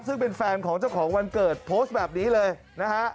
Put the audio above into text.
ซึ่งเป็นแฟนของเจ้าของวันเกิดโพสต์แบบนี้เลยนะฮะ